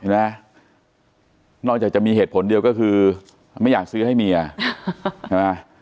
นอกจากจะมีเหตุผลเดียวก็คือไม่อยากซื้อให้เมียใช่ไหม